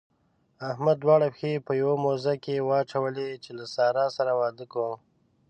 احمد دواړه پښې په يوه موزه کې واچولې چې له سارا سره واده کوم.